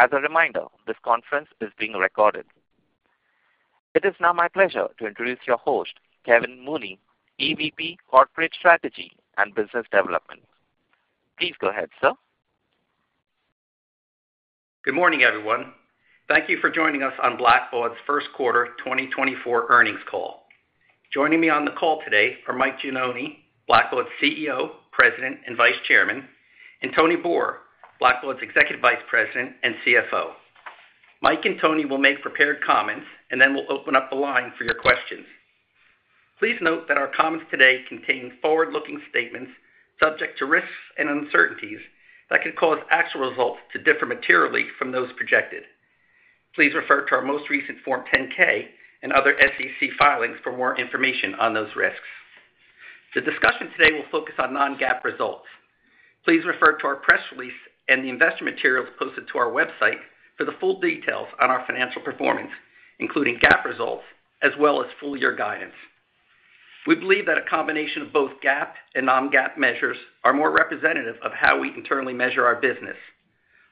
As a reminder, this conference is being recorded. It is now my pleasure to introduce your host, Kevin Mooney, EVP, Corporate Strategy and Business Development. Please go ahead, sir. Good morning, everyone. Thank you for joining us on Blackbaud's first quarter 2024 earnings call. Joining me on the call today are Mike Gianoni, Blackbaud's CEO, President, and Vice Chairman, and Tony Boor, Blackbaud's Executive Vice President and CFO. Mike and Tony will make prepared comments and then we'll open up the line for your questions. Please note that our comments today contain forward-looking statements subject to risks and uncertainties that could cause actual results to differ materially from those projected. Please refer to our most recent Form 10-K and other SEC filings for more information on those risks. The discussion today will focus on non-GAAP results. Please refer to our press release and the investor materials posted to our website for the full details on our financial performance, including GAAP results as well as full-year guidance. We believe that a combination of both GAAP and non-GAAP measures are more representative of how we internally measure our business.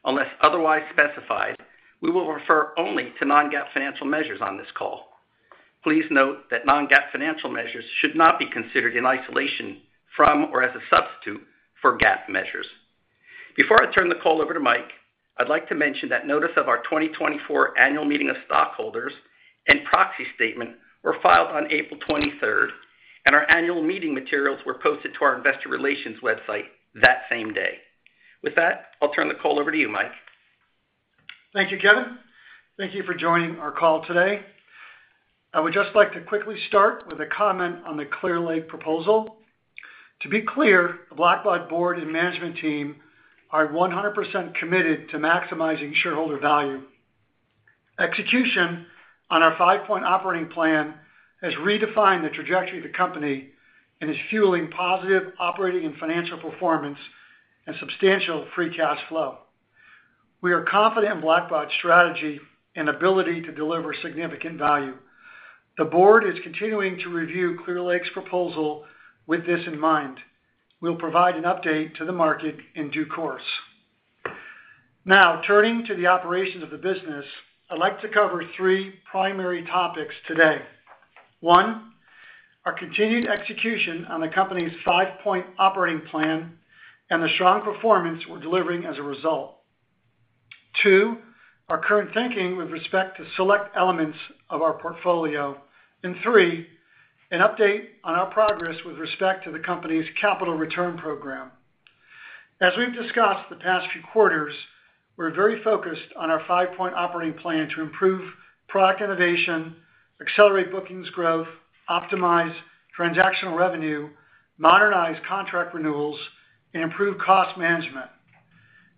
Unless otherwise specified, we will refer only to non-GAAP financial measures on this call. Please note that non-GAAP financial measures should not be considered in isolation from or as a substitute for GAAP measures. Before I turn the call over to Mike, I'd like to mention that notice of our 2024 annual meeting of stockholders and proxy statement were filed on April 23rd, and our annual meeting materials were posted to our investor relations website that same day. With that, I'll turn the call over to you, Mike. Thank you, Kevin. Thank you for joining our call today. I would just like to quickly start with a comment on the Clearlake proposal. To be clear, the Blackbaud board and management team are 100% committed to maximizing shareholder value. Execution on our five-point operating plan has redefined the trajectory of the company and is fueling positive operating and financial performance and substantial free cash flow. We are confident in Blackbaud's strategy and ability to deliver significant value. The board is continuing to review Clearlake's proposal with this in mind. We'll provide an update to the market in due course. Now, turning to the operations of the business, I'd like to cover three primary topics today. One, our continued execution on the company's five-point operating plan and the strong performance we're delivering as a result. Two, our current thinking with respect to select elements of our portfolio. And three, an update on our progress with respect to the company's capital return program. As we've discussed the past few quarters, we're very focused on our five-point operating plan to improve product innovation, accelerate bookings growth, optimize transactional revenue, modernize contract renewals, and improve cost management.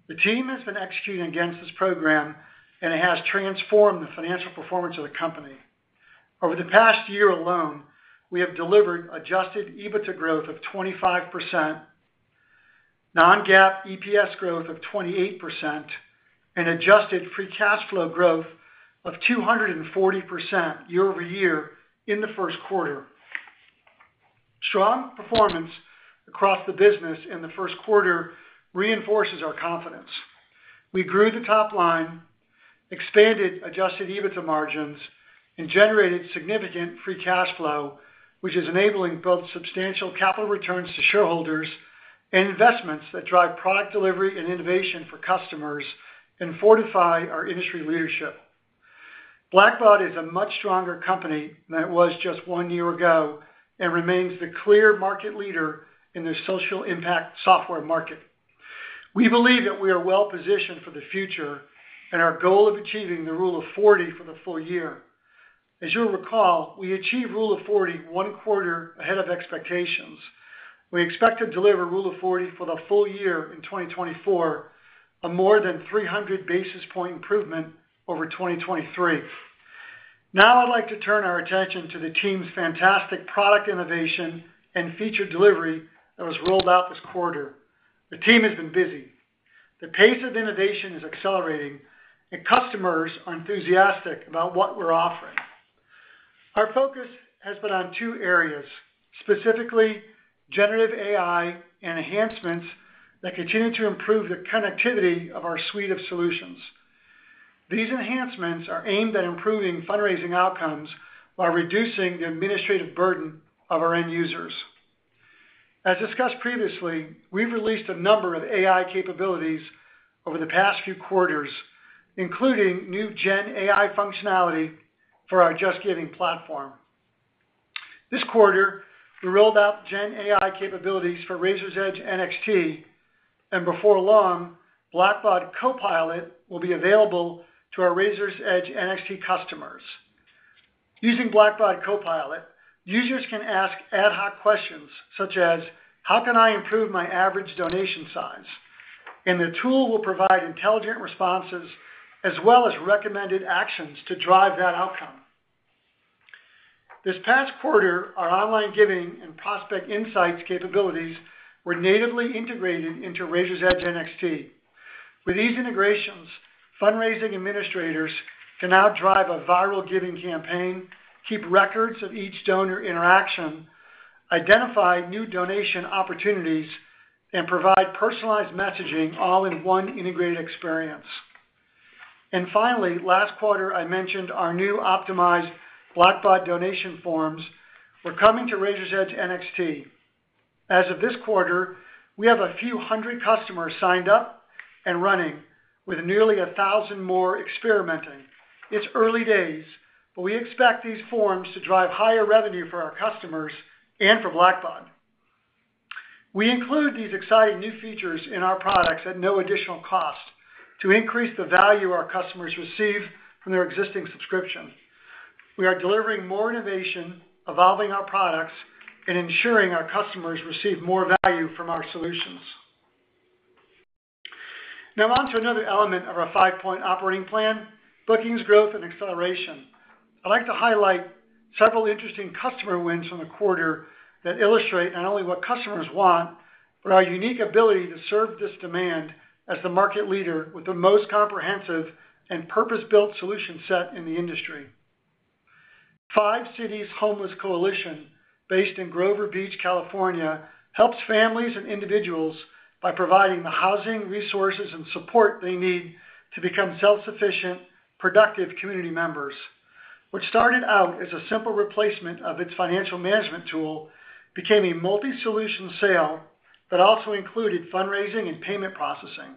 The team has been executing against this program, and it has transformed the financial performance of the company. Over the past year alone, we have delivered Adjusted EBITDA growth of 25%, non-GAAP EPS growth of 28%, and Adjusted Free Cash Flow growth of 240% year-over-year in the first quarter. Strong performance across the business in the first quarter reinforces our confidence. We grew the top line, expanded Adjusted EBITDA margins, and generated significant free cash flow, which is enabling both substantial capital returns to shareholders and investments that drive product delivery and innovation for customers and fortify our industry leadership. Blackbaud is a much stronger company than it was just one year ago and remains the clear market leader in the social impact software market. We believe that we are well positioned for the future and our goal of achieving the Rule of 40 for the full year. As you'll recall, we achieved Rule of 40 one quarter ahead of expectations. We expect to deliver Rule of 40 for the full year in 2024, a more than 300 basis point improvement over 2023. Now, I'd like to turn our attention to the team's fantastic product innovation and feature delivery that was rolled out this quarter. The team has been busy. The pace of innovation is accelerating, and customers are enthusiastic about what we're offering. Our focus has been on two areas, specifically generative AI and enhancements that continue to improve the connectivity of our suite of solutions. These enhancements are aimed at improving fundraising outcomes while reducing the administrative burden of our end users. As discussed previously, we've released a number of AI capabilities over the past few quarters, including new Gen AI functionality for our JustGiving platform. This quarter, we rolled out Gen AI capabilities for Raiser's Edge NXT, and before long, Blackbaud Copilot will be available to our Raiser's Edge NXT customers. Using Blackbaud Copilot, users can ask ad hoc questions such as, "How can I improve my average donation size?" and the tool will provide intelligent responses as well as recommended actions to drive that outcome. This past quarter, our online giving and Prospect Insights capabilities were natively integrated into Raiser's Edge NXT. With these integrations, fundraising administrators can now drive a viral giving campaign, keep records of each donor interaction, identify new donation opportunities, and provide personalized messaging all in one integrated experience. Finally, last quarter, I mentioned our new optimized Blackbaud donation forms. We're coming to Raiser's Edge NXT. As of this quarter, we have a few hundred customers signed up and running, with nearly a thousand more experimenting. It's early days, but we expect these forms to drive higher revenue for our customers and for Blackbaud. We include these exciting new features in our products at no additional cost to increase the value our customers receive from their existing subscriptions. We are delivering more innovation, evolving our products, and ensuring our customers receive more value from our solutions. Now, on to another element of our five-point operating plan: bookings growth and acceleration. I'd like to highlight several interesting customer wins from the quarter that illustrate not only what customers want but our unique ability to serve this demand as the market leader with the most comprehensive and purpose-built solution set in the industry. 5Cities Homeless Coalition, based in Grover Beach, California, helps families and individuals by providing the housing, resources, and support they need to become self-sufficient, productive community members. What started out as a simple replacement of its financial management tool became a multi-solution sale that also included fundraising and payment processing.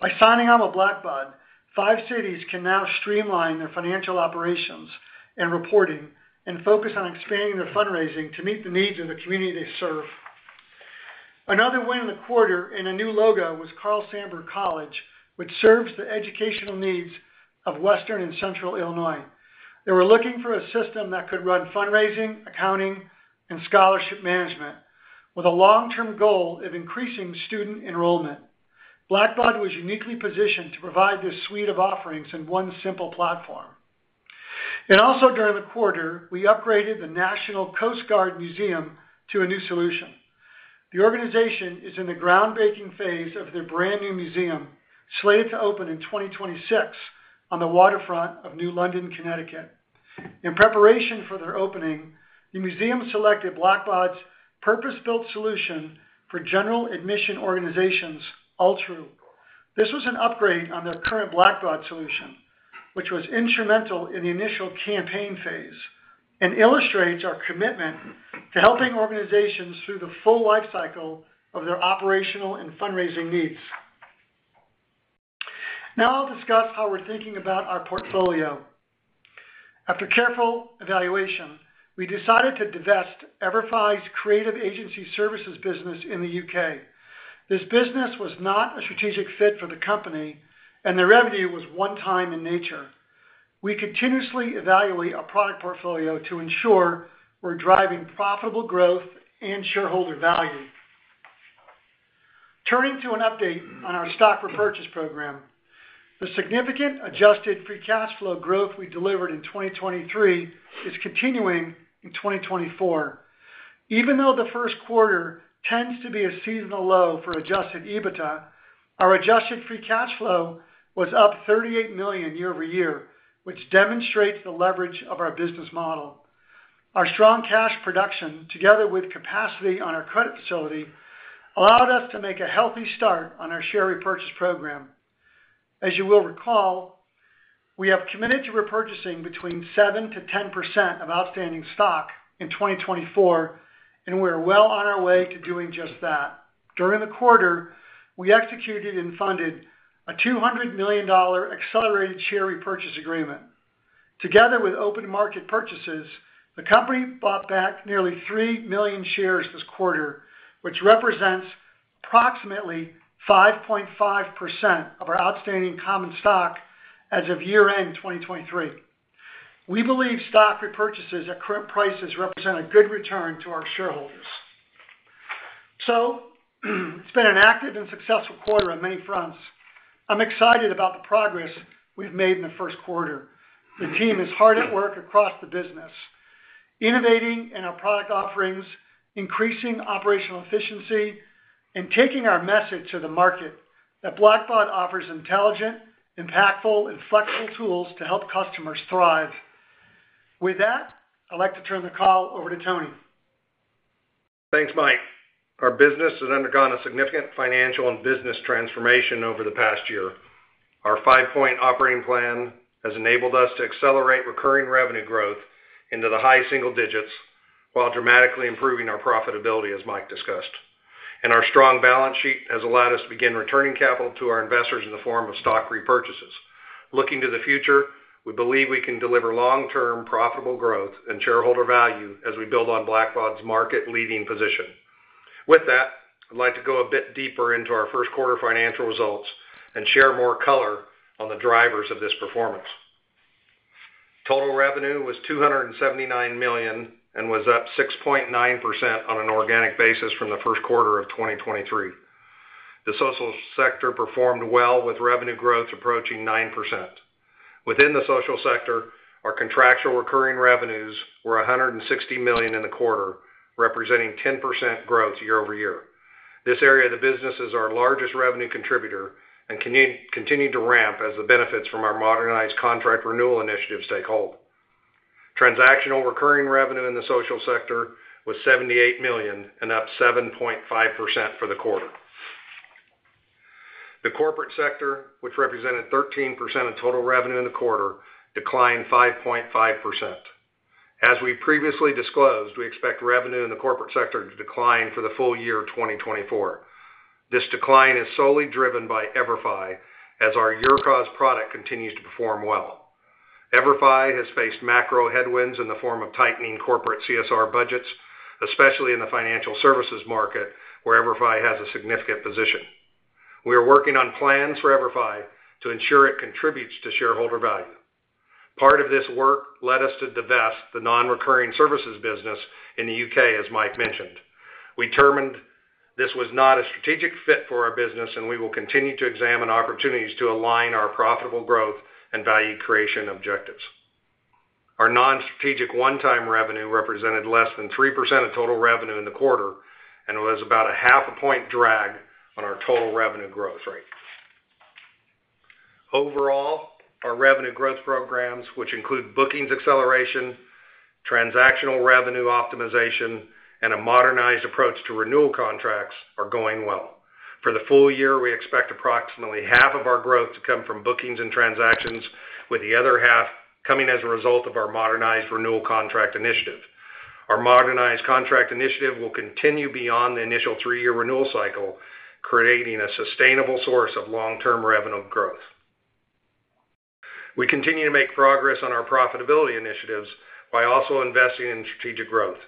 By signing on with Blackbaud, 5Cities can now streamline their financial operations and reporting and focus on expanding their fundraising to meet the needs of the community they serve. Another win in the quarter in a new logo was Carl Sandburg College, which serves the educational needs of western and central Illinois. They were looking for a system that could run fundraising, accounting, and scholarship management with a long-term goal of increasing student enrollment. Blackbaud was uniquely positioned to provide this suite of offerings in one simple platform. Also during the quarter, we upgraded the National Coast Guard Museum to a new solution. The organization is in the groundbreaking phase of their brand new museum, slated to open in 2026 on the waterfront of New London, Connecticut. In preparation for their opening, the museum selected Blackbaud's purpose-built solution for general admission organizations, Altru. This was an upgrade on their current Blackbaud solution, which was instrumental in the initial campaign phase and illustrates our commitment to helping organizations through the full lifecycle of their operational and fundraising needs. Now I'll discuss how we're thinking about our portfolio. After careful evaluation, we decided to divest EVERFI's creative agency services business in the U.K. This business was not a strategic fit for the company, and the revenue was one-time in nature. We continuously evaluate our product portfolio to ensure we're driving profitable growth and shareholder value. Turning to an update on our stock repurchase program, the significant Adjusted Free Cash Flow growth we delivered in 2023 is continuing in 2024. Even though the first quarter tends to be a seasonal low for Adjusted EBITDA, our Adjusted Free Cash Flow was up $38 million year-over-year, which demonstrates the leverage of our business model. Our strong cash production, together with capacity on our credit facility, allowed us to make a healthy start on our share repurchase program. As you will recall, we have committed to repurchasing between 7%-10% of outstanding stock in 2024, and we are well on our way to doing just that. During the quarter, we executed and funded a $200 million accelerated share repurchase agreement. Together with open market purchases, the company bought back nearly three million shares this quarter, which represents approximately 5.5% of our outstanding common stock as of year-end 2023. We believe stock repurchases at current prices represent a good return to our shareholders. So it's been an active and successful quarter on many fronts. I'm excited about the progress we've made in the first quarter. The team is hard at work across the business, innovating in our product offerings, increasing operational efficiency, and taking our message to the market that Blackbaud offers intelligent, impactful, and flexible tools to help customers thrive. With that, I'd like to turn the call over to Tony. Thanks, Mike. Our business has undergone a significant financial and business transformation over the past year. Our five-point operating plan has enabled us to accelerate recurring revenue growth into the high single digits while dramatically improving our profitability, as Mike discussed. Our strong balance sheet has allowed us to begin returning capital to our investors in the form of stock repurchases. Looking to the future, we believe we can deliver long-term profitable growth and shareholder value as we build on Blackbaud's market-leading position. With that, I'd like to go a bit deeper into our first quarter financial results and share more color on the drivers of this performance. Total revenue was $279 million and was up 6.9% on an organic basis from the first quarter of 2023. The social sector performed well, with revenue growth approaching 9%. Within the social sector, our contractual recurring revenues were $160 million in the quarter, representing 10% growth year-over-year. This area of the business is our largest revenue contributor and continued to ramp as the benefits from our modernized contract renewal initiative take hold. Transactional recurring revenue in the social sector was $78 million and up 7.5% for the quarter. The corporate sector, which represented 13% of total revenue in the quarter, declined 5.5%. As we previously disclosed, we expect revenue in the corporate sector to decline for the full year 2024. This decline is solely driven by EVERFI as our YourCause product continues to perform well. EVERFI has faced macro headwinds in the form of tightening corporate CSR budgets, especially in the financial services market, where EVERFI has a significant position. We are working on plans for EVERFI to ensure it contributes to shareholder value. Part of this work led us to divest the non-recurring services business in the U.K., as Mike mentioned. We determined this was not a strategic fit for our business, and we will continue to examine opportunities to align our profitable growth and value creation objectives. Our non-strategic one-time revenue represented less than 3% of total revenue in the quarter and was about a half a point drag on our total revenue growth rate. Overall, our revenue growth programs, which include bookings acceleration, transactional revenue optimization, and a modernized approach to renewal contracts, are going well. For the full year, we expect approximately half of our growth to come from bookings and transactions, with the other half coming as a result of our modernized renewal contract initiative. Our modernized contract initiative will continue beyond the initial three-year renewal cycle, creating a sustainable source of long-term revenue growth. We continue to make progress on our profitability initiatives by also investing in strategic growth.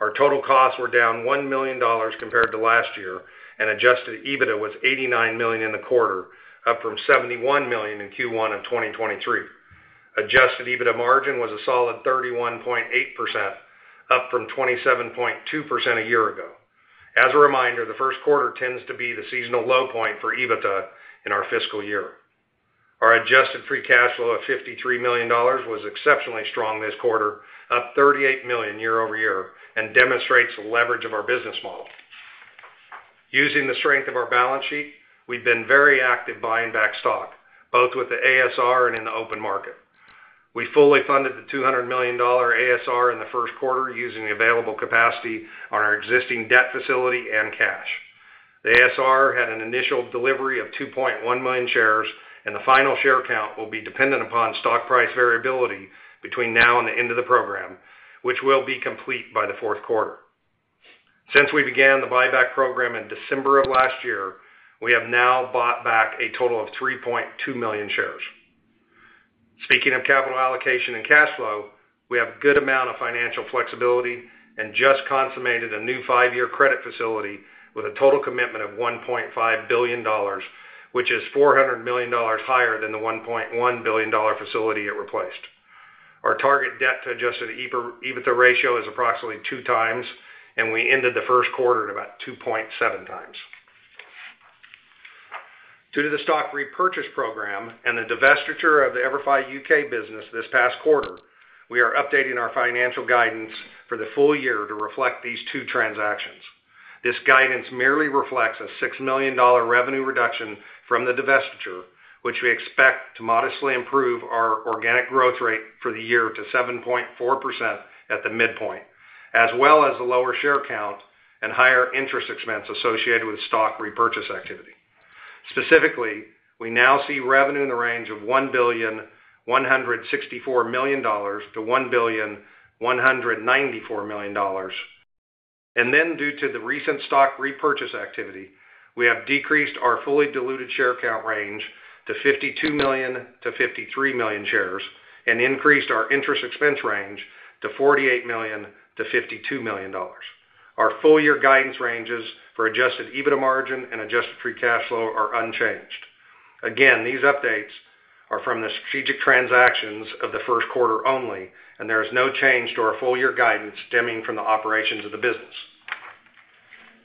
Our total costs were down $1 million compared to last year, and adjusted EBITDA was $89 million in the quarter, up from $71 million in Q1 of 2023. Adjusted EBITDA margin was a solid 31.8%, up from 27.2% a year ago. As a reminder, the first quarter tends to be the seasonal low point for EBITDA in our fiscal year. Our adjusted free cash flow of $53 million was exceptionally strong this quarter, up $38 million year-over-year, and demonstrates the leverage of our business model. Using the strength of our balance sheet, we've been very active buying back stock, both with the ASR and in the open market. We fully funded the $200 million ASR in the first quarter using the available capacity on our existing debt facility and cash. The ASR had an initial delivery of 2.1 million shares, and the final share count will be dependent upon stock price variability between now and the end of the program, which will be complete by the fourth quarter. Since we began the buyback program in December of last year, we have now bought back a total of 3.2 million shares. Speaking of capital allocation and cash flow, we have a good amount of financial flexibility and just consummated a new five-year credit facility with a total commitment of $1.5 billion, which is $400 million higher than the $1.1 billion facility it replaced. Our target debt to adjusted EBITDA ratio is approximately two times, and we ended the first quarter at about 2.7x. Due to the stock repurchase program and the divestiture of the EVERFI UK business this past quarter, we are updating our financial guidance for the full year to reflect these two transactions. This guidance merely reflects a $6 million revenue reduction from the divestiture, which we expect to modestly improve our organic growth rate for the year to 7.4% at the midpoint, as well as the lower share count and higher interest expense associated with stock repurchase activity. Specifically, we now see revenue in the range of $1,164 million-$1,194 million. And then, due to the recent stock repurchase activity, we have decreased our fully diluted share count range to 52 million-53 million shares and increased our interest expense range to $48 million-$52 million. Our full-year guidance ranges for Adjusted EBITDA margin and Adjusted Free Cash Flow are unchanged. Again, these updates are from the strategic transactions of the first quarter only, and there is no change to our full-year guidance stemming from the operations of the business.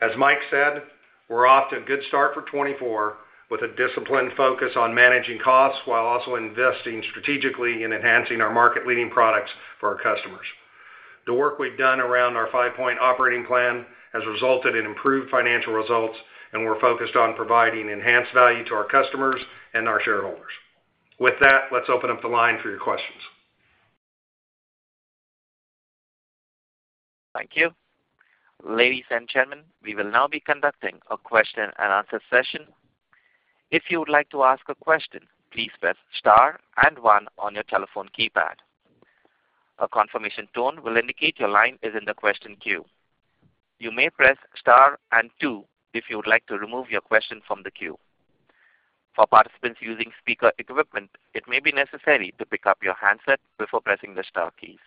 As Mike said, we're off to a good start for 2024 with a disciplined focus on managing costs while also investing strategically in enhancing our market-leading products for our customers. The work we've done around our five-point operating plan has resulted in improved financial results, and we're focused on providing enhanced value to our customers and our shareholders. With that, let's open up the line for your questions. Thank you. Ladies and gentlemen, we will now be conducting a question-and-answer session. If you would like to ask a question, please press star and one on your telephone keypad. A confirmation tone will indicate your line is in the question queue. You may press star and two if you would like to remove your question from the queue. For participants using speaker equipment, it may be necessary to pick up your handset before pressing the star keys.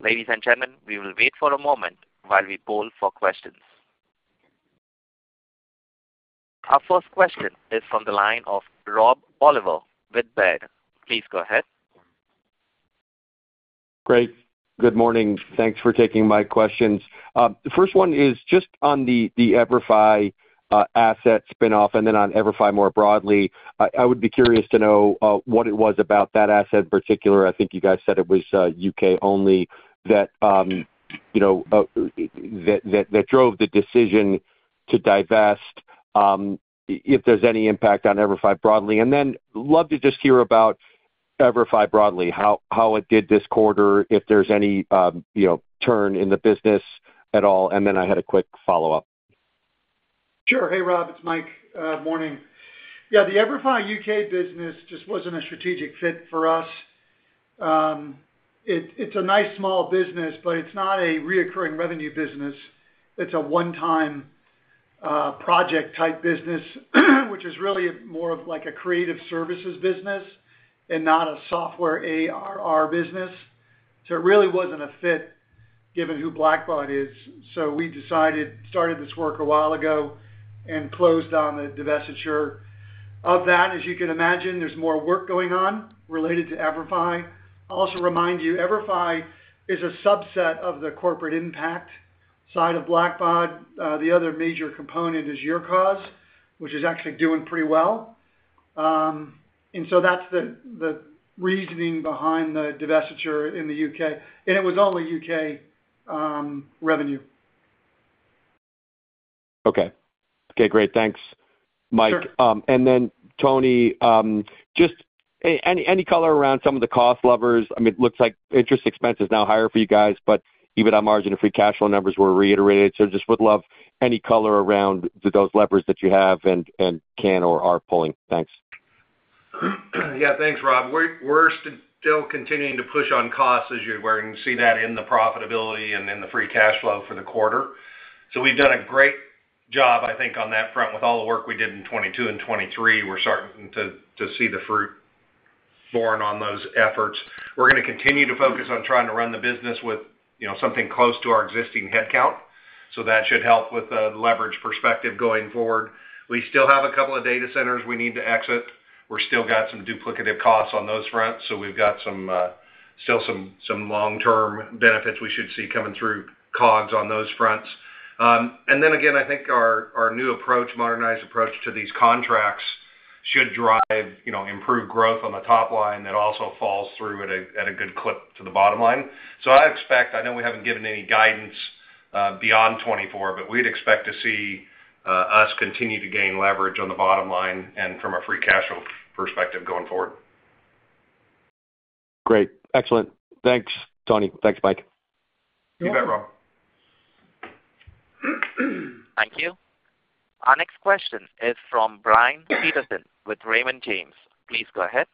Ladies and gentlemen, we will wait for a moment while we poll for questions. Our first question is from the line of Rob Oliver with Baird. Please go ahead. Great. Good morning. Thanks for taking my questions. The first one is just on the EVERFI asset spinoff and then on EVERFI more broadly. I would be curious to know what it was about that asset in particular. I think you guys said it was UK-only that drove the decision to divest, if there's any impact on EVERFI broadly. And then love to just hear about EVERFI broadly, how it did this quarter, if there's any turn in the business at all, and then I had a quick follow-up. Sure. Hey, Rob. It's Mike. Good morning. Yeah, the EVERFI UK business just wasn't a strategic fit for us. It's a nice small business, but it's not a recurring revenue business. It's a one-time project-type business, which is really more of like a creative services business and not a software ARR business. So it really wasn't a fit given who Blackbaud is. So we started this work a while ago and closed on the divestiture of that, as you can imagine, there's more work going on related to EVERFI. I'll also remind you, EVERFI is a subset of the corporate impact side of Blackbaud. The other major component is YourCause, which is actually doing pretty well. And so that's the reasoning behind the divestiture in the UK. And it was only UK revenue. Okay. Okay. Great. Thanks, Mike. And then, Tony, just any color around some of the cost levers? I mean, it looks like interest expense is now higher for you guys, but EBITDA margin and free cash flow numbers were reiterated. So just would love any color around those levers that you have and can or are pulling. Thanks. Yeah. Thanks, Rob. We're still continuing to push on costs as you're going to see that in the profitability and in the free cash flow for the quarter. So we've done a great job, I think, on that front with all the work we did in 2022 and 2023. We're starting to see the fruit borne on those efforts. We're going to continue to focus on trying to run the business with something close to our existing headcount. So that should help with a leverage perspective going forward. We still have a couple of data centers we need to exit. We're still got some duplicative costs on those fronts. So we've got still some long-term benefits we should see coming through COGS on those fronts. And then again, I think our new approach, modernized approach to these contracts, should drive improved growth on the top line that also falls through at a good clip to the bottom line. So I know we haven't given any guidance beyond 2024, but we'd expect to see us continue to gain leverage on the bottom line and from a free cash flow perspective going forward. Great. Excellent. Thanks, Tony. Thanks, Mike. You bet, Rob. Thank you. Our next question is from Brian Peterson with Raymond James. Please go ahead.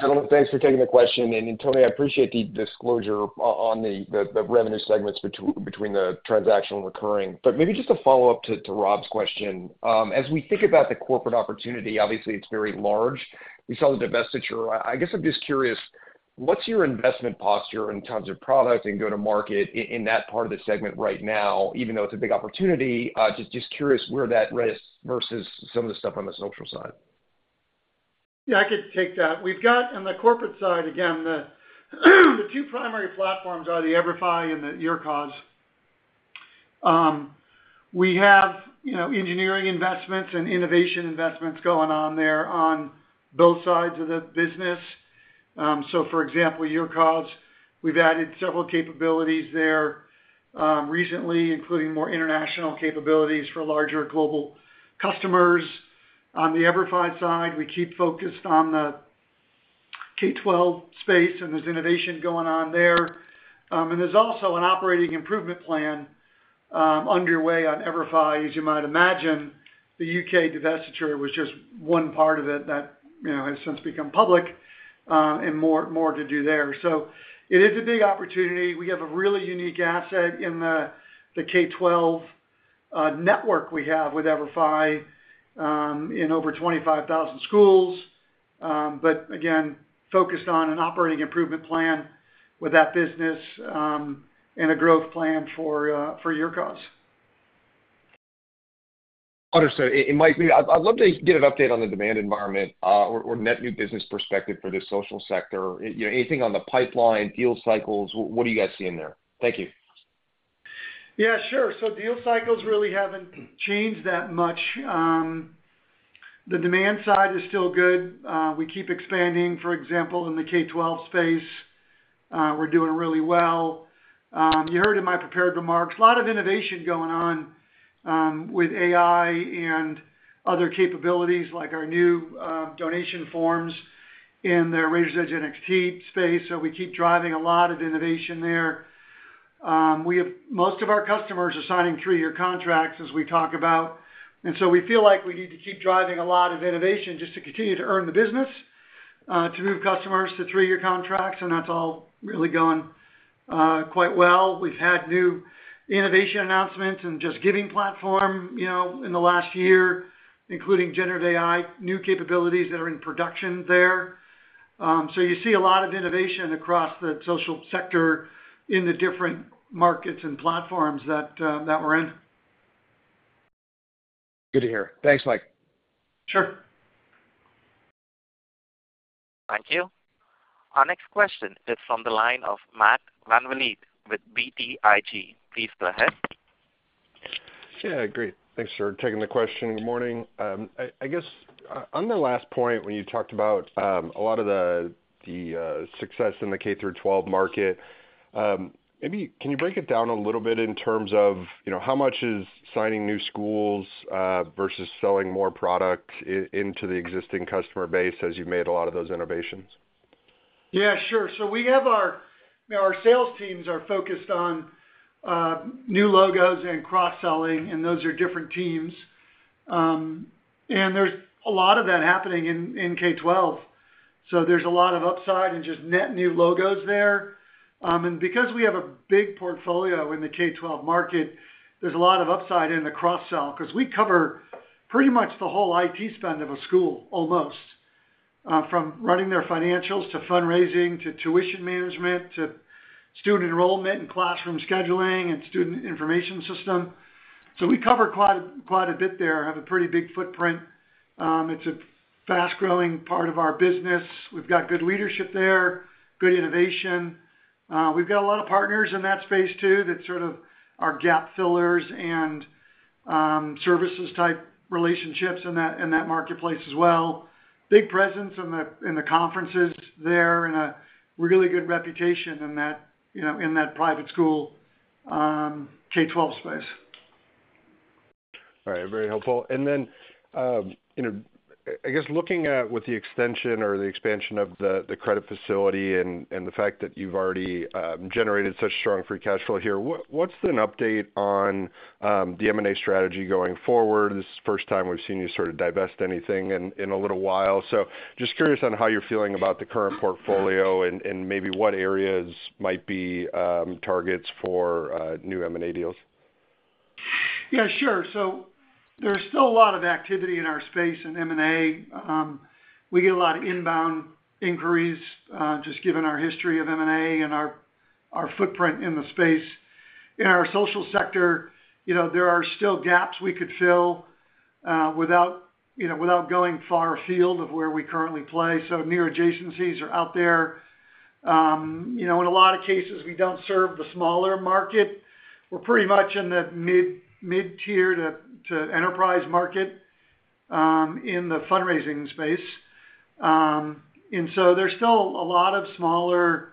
Gentlemen, thanks for taking the question. And, Tony, I appreciate the disclosure on the revenue segments between the transactional and recurring. But maybe just a follow-up to Rob's question. As we think about the corporate opportunity, obviously, it's very large. We saw the divestiture. I guess I'm just curious, what's your investment posture in terms of product and go-to-market in that part of the segment right now, even though it's a big opportunity? Just curious where that rests versus some of the stuff on the social side. Yeah. I could take that. On the corporate side, again, the two primary platforms are the EVERFI and the YourCause. We have engineering investments and innovation investments going on there on both sides of the business. So, for example, YourCause, we've added several capabilities there recently, including more international capabilities for larger global customers. On the EVERFI side, we keep focused on the K-12 space, and there's innovation going on there. And there's also an operating improvement plan underway on EVERFI. As you might imagine, the UK divestiture was just one part of it that has since become public and more to do there. So it is a big opportunity. We have a really unique asset in the K-12 network we have with EVERFI in over 25,000 schools, but again, focused on an operating improvement plan with that business and a growth plan for YourCause. Understood. And, Mike, I'd love to get an update on the demand environment or net new business perspective for the social sector. Anything on the pipeline, deal cycles? What do you guys see in there? Thank you. Yeah. Sure. So deal cycles really haven't changed that much. The demand side is still good. We keep expanding. For example, in the K-12 space, we're doing really well. You heard in my prepared remarks, a lot of innovation going on with AI and other capabilities like our new donation forms in the Raiser's Edge NXT space. So we keep driving a lot of innovation there. Most of our customers are signing three-year contracts, as we talk about. And so we feel like we need to keep driving a lot of innovation just to continue to earn the business, to move customers to three-year contracts. And that's all really going quite well. We've had new innovation announcements and JustGiving platform in the last year, including generative AI, new capabilities that are in production there. You see a lot of innovation across the social sector in the different markets and platforms that we're in. Good to hear. Thanks, Mike. Sure. Thank you. Our next question is from the line of Matt VanVliet with BTIG. Please go ahead. Yeah. Great. Thanks for taking the question. Good morning. I guess on the last point, when you talked about a lot of the success in the K-12 market, maybe can you break it down a little bit in terms of how much is signing new schools versus selling more product into the existing customer base as you've made a lot of those innovations? Yeah. Sure. So our sales teams are focused on new logos and cross-selling, and those are different teams. And there's a lot of that happening in K-12. So there's a lot of upside in just net new logos there. And because we have a big portfolio in the K-12 market, there's a lot of upside in the cross-sell because we cover pretty much the whole IT spend of a school almost, from running their financials to fundraising to tuition management to student enrollment and classroom scheduling and student information system. So we cover quite a bit there, have a pretty big footprint. It's a fast-growing part of our business. We've got good leadership there, good innovation. We've got a lot of partners in that space too that sort of are gap fillers and services-type relationships in that marketplace as well, big presence in the conferences there, and a really good reputation in that private school K-12 space. All right. Very helpful. And then I guess looking at with the extension or the expansion of the credit facility and the fact that you've already generated such strong free cash flow here, what's an update on the M&A strategy going forward? This is the first time we've seen you sort of divest anything in a little while. So just curious on how you're feeling about the current portfolio and maybe what areas might be targets for new M&A deals. Yeah. Sure. So there's still a lot of activity in our space in M&A. We get a lot of inbound inquiries just given our history of M&A and our footprint in the space. In our social sector, there are still gaps we could fill without going far afield of where we currently play. So near-adjacencies are out there. In a lot of cases, we don't serve the smaller market. We're pretty much in the mid-tier to enterprise market in the fundraising space. And so there's still a lot of smaller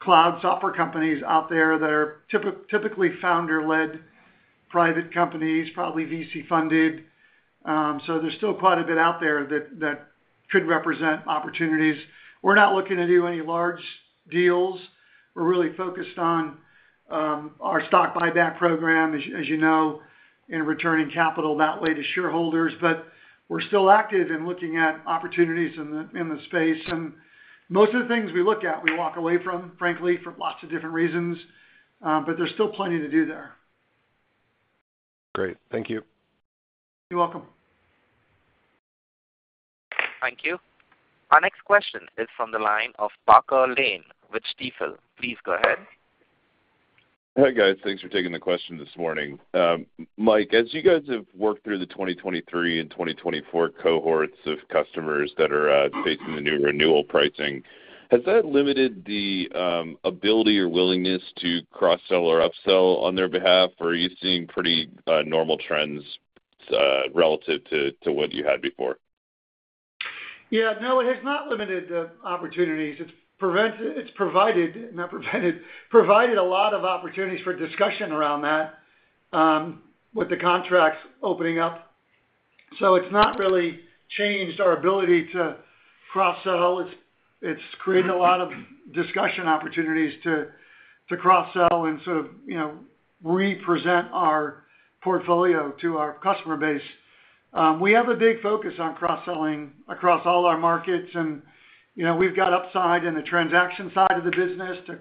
cloud software companies out there that are typically founder-led private companies, probably VC-funded. So there's still quite a bit out there that could represent opportunities. We're not looking to do any large deals. We're really focused on our stock buyback program, as you know, and returning capital that way to shareholders. But we're still active in looking at opportunities in the space. And most of the things we look at, we walk away from, frankly, for lots of different reasons. But there's still plenty to do there. Great. Thank you. You're welcome. Thank you. Our next question is from the line of Parker Lane with Stifel. Please go ahead. Hey, guys. Thanks for taking the question this morning. Mike, as you guys have worked through the 2023 and 2024 cohorts of customers that are facing the new renewal pricing, has that limited the ability or willingness to cross-sell or upsell on their behalf, or are you seeing pretty normal trends relative to what you had before? Yeah. No, it has not limited the opportunities. It's provided - not prevented - provided a lot of opportunities for discussion around that with the contracts opening up. So it's not really changed our ability to cross-sell. It's created a lot of discussion opportunities to cross-sell and sort of represent our portfolio to our customer base. We have a big focus on cross-selling across all our markets. And we've got upside in the transaction side of the business to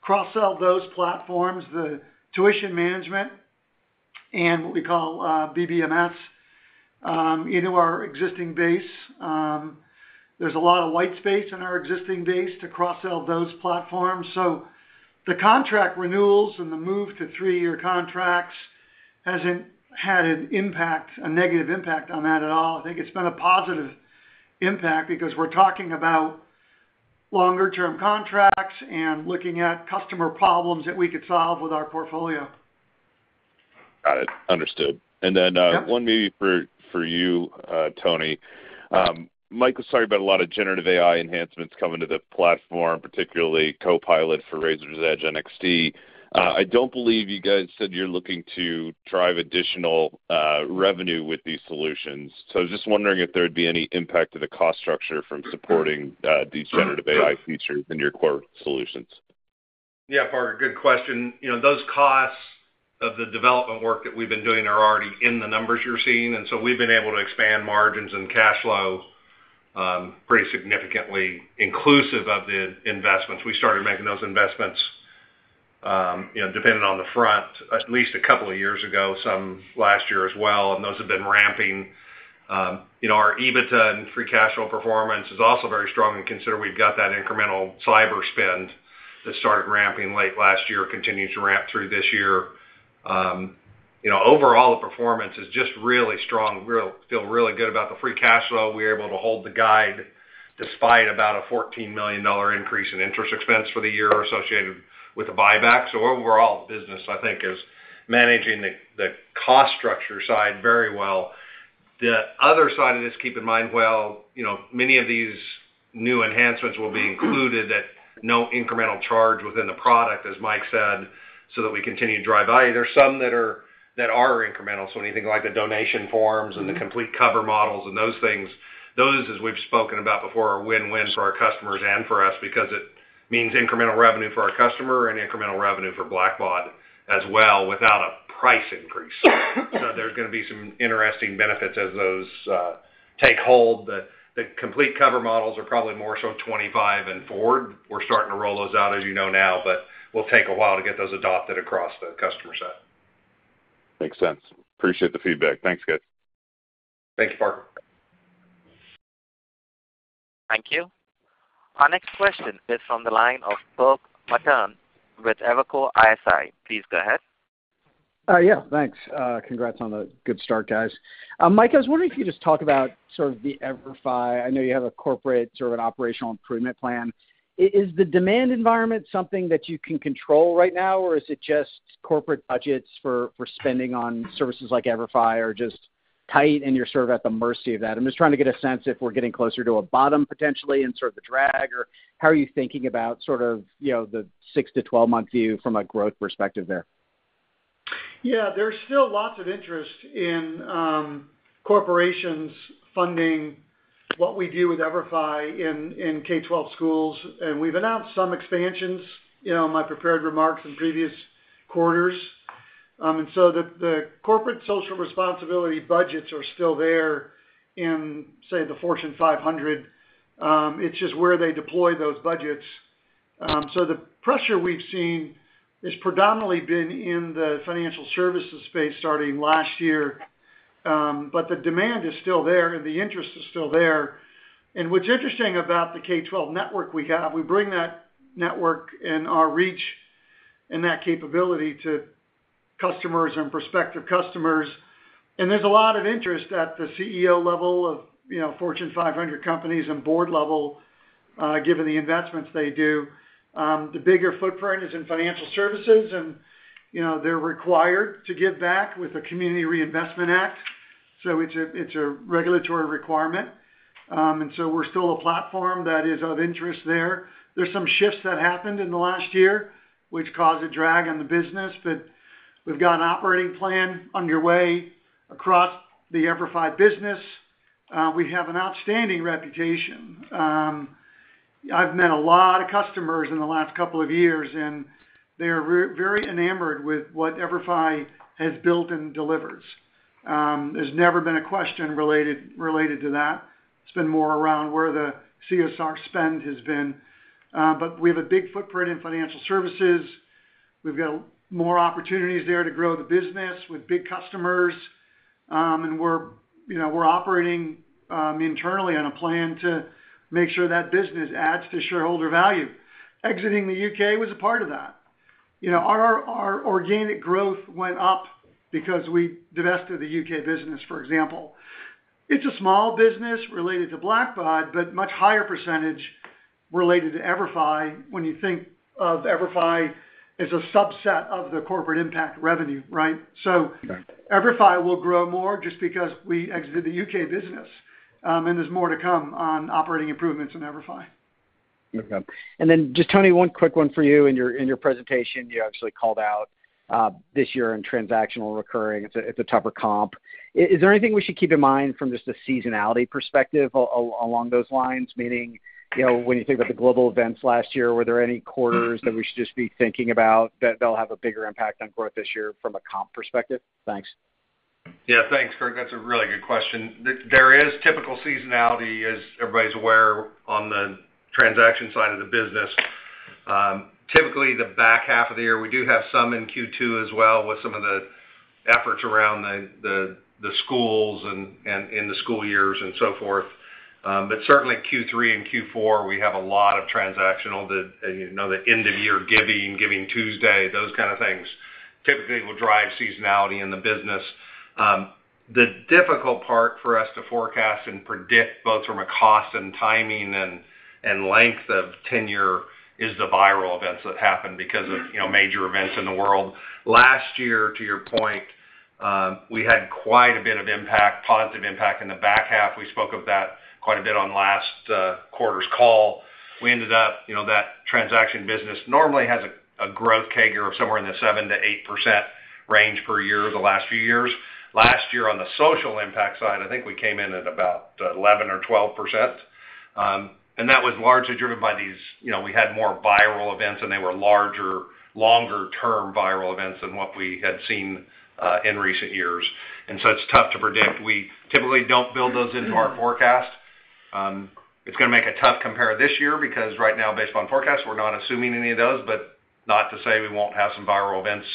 cross-sell those platforms, the tuition management, and what we call BBMS into our existing base. There's a lot of white space in our existing base to cross-sell those platforms. So the contract renewals and the move to three-year contracts hasn't had a negative impact on that at all. I think it's been a positive impact because we're talking about longer-term contracts and looking at customer problems that we could solve with our portfolio. Got it. Understood. And then one maybe for you, Tony. Mike, sorry about a lot of generative AI enhancements coming to the platform, particularly Copilot for Raiser's Edge NXT. I don't believe you guys said you're looking to drive additional revenue with these solutions. So I was just wondering if there'd be any impact to the cost structure from supporting these generative AI features in your core solutions. Yeah, Baird. Good question. Those costs of the development work that we've been doing are already in the numbers you're seeing. And so we've been able to expand margins and cash flow pretty significantly inclusive of the investments. We started making those investments, depending on the front, at least a couple of years ago, some last year as well. And those have been ramping. Our EBITDA and free cash flow performance is also very strong. And consider we've got that incremental cyber spend that started ramping late last year, continues to ramp through this year. Overall, the performance is just really strong. We feel really good about the free cash flow. We're able to hold the guide despite about a $14 million increase in interest expense for the year associated with the buyback. So overall, the business, I think, is managing the cost structure side very well. The other side of this, keep in mind, well, many of these new enhancements will be included at no incremental charge within the product, as Mike said, so that we continue to drive value. There's some that are incremental. So anything like the donation forms and the Complete Cover models and those things, those, as we've spoken about before, are win-win for our customers and for us because it means incremental revenue for our customer and incremental revenue for Blackbaud as well without a price increase. So there's going to be some interesting benefits as those take hold. The Complete Cover models are probably more so 2025 and forward. We're starting to roll those out, as you know, now, but we'll take a while to get those adopted across the customer side. Makes sense. Appreciate the feedback. Thanks, guys. Thank you, Park. Thank you. Our next question is from the line of Kirk Materne with Evercore ISI. Please go ahead. Yeah. Thanks. Congrats on the good start, guys. Mike, I was wondering if you could just talk about sort of the EVERFI. I know you have a corporate sort of an operational improvement plan. Is the demand environment something that you can control right now, or is it just corporate budgets for spending on services like EVERFI are just tight, and you're sort of at the mercy of that? I'm just trying to get a sense if we're getting closer to a bottom potentially in sort of the drag, or how are you thinking about sort of the six to 12-month view from a growth perspective there? Yeah. There's still lots of interest in corporations funding what we do with EVERFI in K-12 schools. And we've announced some expansions in my prepared remarks in previous quarters. And so the corporate social responsibility budgets are still there in, say, the Fortune 500. It's just where they deploy those budgets. So the pressure we've seen has predominantly been in the financial services space starting last year. But the demand is still there, and the interest is still there. And what's interesting about the K-12 network we have, we bring that network and our reach and that capability to customers and prospective customers. And there's a lot of interest at the CEO level of Fortune 500 companies and board level, given the investments they do. The bigger footprint is in financial services, and they're required to give back with the Community Reinvestment Act. So it's a regulatory requirement. So we're still a platform that is of interest there. There's some shifts that happened in the last year, which caused a drag on the business. But we've got an operating plan underway across the EVERFI business. We have an outstanding reputation. I've met a lot of customers in the last couple of years, and they are very enamored with what EVERFI has built and delivers. There's never been a question related to that. It's been more around where the CSR spend has been. But we have a big footprint in financial services. We've got more opportunities there to grow the business with big customers. And we're operating internally on a plan to make sure that business adds to shareholder value. Exiting the UK was a part of that. Our organic growth went up because we divested the UK business, for example. It's a small business related to Blackbaud, but much higher percentage related to EVERFI when you think of EVERFI as a subset of the corporate impact revenue, right? So EVERFI will grow more just because we exited the UK business. And there's more to come on operating improvements in EVERFI. Okay. And then just, Tony, one quick one for you. In your presentation, you actually called out this year in transactional recurring. It's a tougher comp. Is there anything we should keep in mind from just a seasonality perspective along those lines, meaning when you think about the global events last year, were there any quarters that we should just be thinking about that they'll have a bigger impact on growth this year from a comp perspective? Thanks. Yeah. Thanks, Kirk. That's a really good question. There is typical seasonality, as everybody's aware, on the transaction side of the business. Typically, the back half of the year, we do have some in Q2 as well with some of the efforts around the schools and in the school years and so forth. But certainly, Q3 and Q4, we have a lot of transactional. The end-of-year giving, Giving Tuesday, those kind of things typically will drive seasonality in the business. The difficult part for us to forecast and predict both from a cost and timing and length of tenure is the viral events that happen because of major events in the world. Last year, to your point, we had quite a bit of impact, positive impact in the back half. We spoke of that quite a bit on last quarter's call. We ended up that transaction business normally has a growth CAGR of somewhere in the 7%-8% range per year the last few years. Last year, on the social impact side, I think we came in at about 11% or 12%. And that was largely driven by these we had more viral events, and they were larger, longer-term viral events than what we had seen in recent years. And so it's tough to predict. We typically don't build those into our forecast. It's going to make a tough compare this year because right now, based on forecasts, we're not assuming any of those. But not to say we won't have some viral events.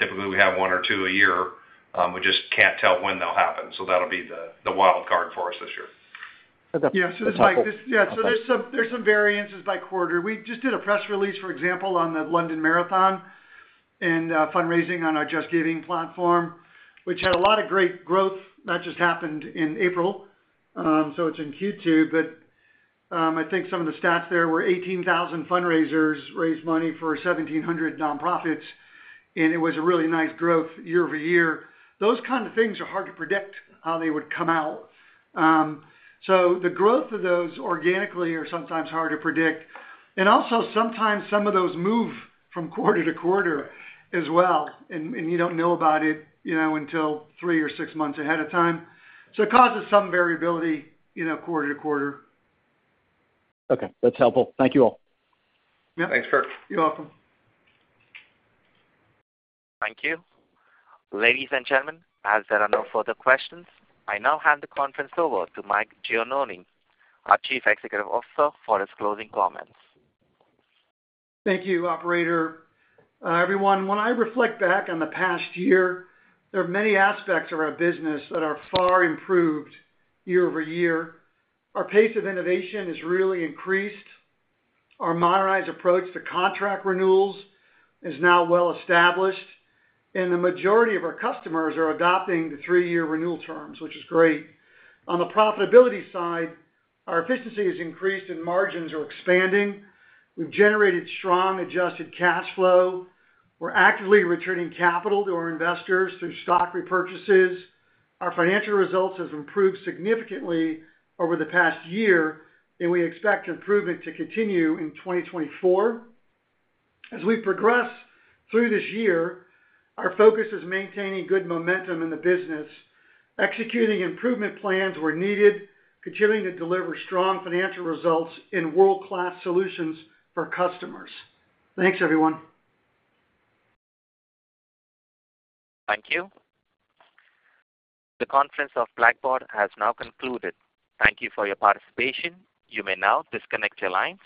Typically, we have one or two a year. We just can't tell when they'll happen. So that'll be the wild card for us this year. Yeah. So it's like yeah. So there's some variances by quarter. We just did a press release, for example, on the London Marathon and fundraising on our JustGiving platform, which had a lot of great growth that just happened in April. So it's in Q2. But I think some of the stats there were 18,000 fundraisers raised money for 1,700 nonprofits. And it was a really nice growth year-over-year. Those kind of things are hard to predict how they would come out. So the growth of those organically are sometimes hard to predict. And also, sometimes some of those move from quarter to quarter as well, and you don't know about it until three or six months ahead of time. So it causes some variability quarter-to-quarter. Okay. That's helpful. Thank you all. Yeah. Thanks, Kirk. You're welcome. Thank you. Ladies and gentlemen, as there are no further questions, I now hand the conference over to Mike Gianoni, our Chief Executive Officer, for his closing comments. Thank you, Operator. Everyone, when I reflect back on the past year, there are many aspects of our business that are far improved year-over-year. Our pace of innovation has really increased. Our modernized approach to contract renewals is now well established. And the majority of our customers are adopting the three-year renewal terms, which is great. On the profitability side, our efficiency has increased, and margins are expanding. We've generated strong adjusted cash flow. We're actively returning capital to our investors through stock repurchases. Our financial results have improved significantly over the past year, and we expect improvement to continue in 2024. As we progress through this year, our focus is maintaining good momentum in the business, executing improvement plans where needed, continuing to deliver strong financial results in world-class solutions for customers. Thanks, everyone. Thank you. The conference of Blackbaud has now concluded. Thank you for your participation. You may now disconnect your lines.